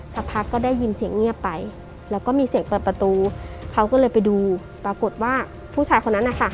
สักพักก็ได้ยินเสียงเงียบไปแล้วก็มีเสียงเปิดประตูเขาก็เลยไปดูปรากฏว่าผู้ชายคนนั้นนะคะ